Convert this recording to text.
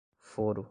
foro